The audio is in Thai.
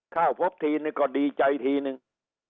เข้าพบทีนึงก็ดีใจทีนึง